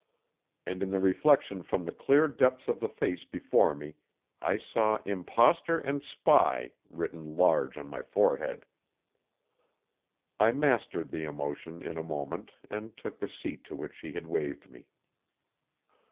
And in the reflection from the clear depths of the face before me, I saw Imposter and Spy written large on my forehead. I mastered the emotion in a moment and took the seat to which she had waved me.